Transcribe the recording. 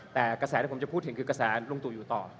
แต่กระแสที่ผมจะพูดถึงคือกระแสลุงตู่อยู่ต่อ